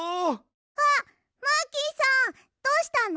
あっマーキーさんどうしたの？